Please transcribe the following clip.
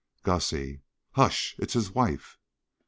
~Gussie.~ Hush! It's his wife!